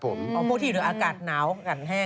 พูดถืออากาศหนาวก่อนแห้ง